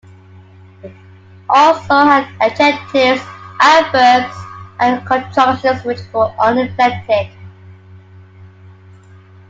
It also had adjectives, adverbs, and conjunctions, which were uninflected.